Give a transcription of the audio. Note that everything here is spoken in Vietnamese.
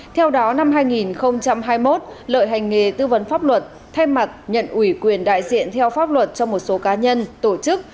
theo đó năm hai nghìn hai mươi một lợi hành nghề tư vấn pháp luật thay mặt nhận ủy quyền đại diện theo pháp luật cho một số cá nhân tổ chức